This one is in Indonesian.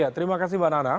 terima kasih mbak nana